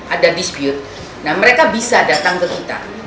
ada dispute nah mereka bisa datang ke kita